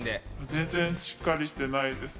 全然しっかりしてないです。